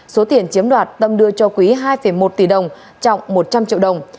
số tiền chiếm đoạt tâm đưa cho quý hai một tỷ đồng trọng một trăm linh triệu đồng